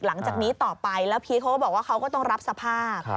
หลังจากนี้ต่อไปแล้วพีชเขาก็บอกว่าเขาก็ต้องรับสภาพ